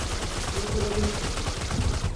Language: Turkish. Yakaladım sizi.